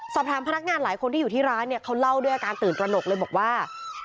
พนักงานหลายคนที่อยู่ที่ร้านเนี่ยเขาเล่าด้วยอาการตื่นตระหนกเลยบอกว่า